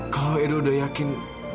kalau edo udah yakin